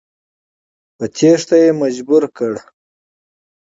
په تېښته یې مجبور کړ.